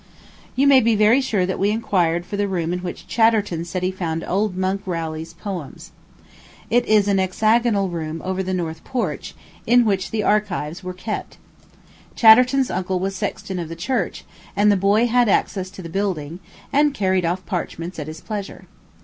You may be very sure that we inquired for the room in which Chatterton said he found old Monk Rowley's poems. It is an hexagonal room over the north porch, in which the archives were kept Chatterton's uncle was sexton of the church; and the boy had access to the building, and carried off parchments at his pleasure.